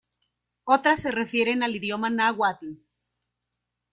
Otras se refieren al idioma náhuatl.